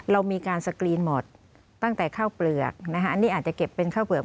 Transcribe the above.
เรามีการสกรีนหมดตั้งแต่ข้าวเปลือกนะฮะอันนี้อาจจะเก็บเป็นข้าวเปลือก